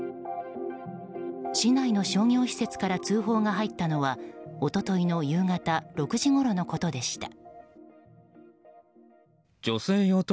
市内の商業施設から通報が入ったのは一昨日の夕方６時ごろのことでした。